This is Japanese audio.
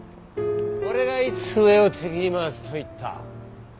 俺がいつ上を敵に回すと言った？